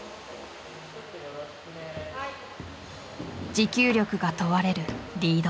持久力が問われるリード。